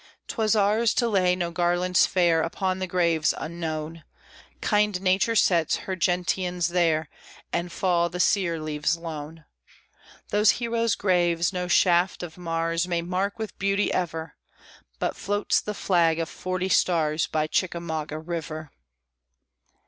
'T was ours to lay no garlands fair Upon the graves "unknown": Kind Nature sets her gentians there, And fall the sear leaves lone. Those heroes' graves no shaft of Mars May mark with beauty ever; But floats the flag of forty stars By Chickamauga River.